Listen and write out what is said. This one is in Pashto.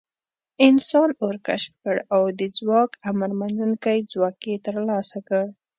انسان اور کشف کړ او د ځواک امرمنونکی ځواک یې تر لاسه کړ.